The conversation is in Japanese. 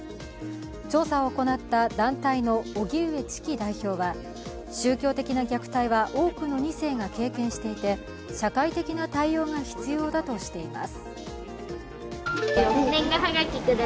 調査を行った団体の荻上チキ代表は宗教的な虐待は多くの２世が経験していて、社会的な対応が必要だとしています。